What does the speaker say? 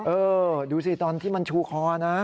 เออดูสิตอนที่มันชูคอนะ